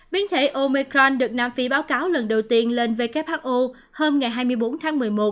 biến thể omecran được nam phi báo cáo lần đầu tiên lên who hôm ngày hai mươi bốn tháng một mươi một